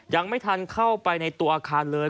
ยังไม่ทันเข้าไปในตัวอาคารเลย